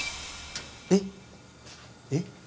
えっ？えっ？